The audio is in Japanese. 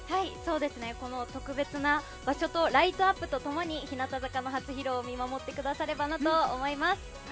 この特別な場所とライトアップとともに日向坂の初披露を見守ってくださればなと思います。